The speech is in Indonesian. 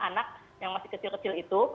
anak yang masih kecil kecil itu